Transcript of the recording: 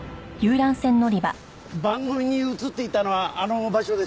番組に映っていたのはあの場所です。